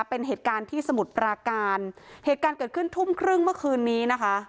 เป็นเหตุการณ์ที่สมุทรปราการเหตุการณ์เกิดขึ้นทุ่มครึ่งเมื่อคืนนี้นะคะ